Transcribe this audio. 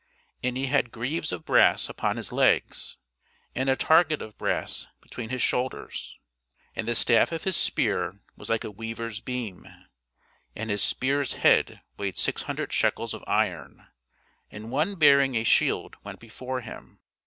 And he had greaves of brass upon his legs, and a target of brass between his shoulders. And the staff of his spear was like a weaver's beam; and his spear's head weighed six hundred shekels of iron; and one bearing a shield went before him.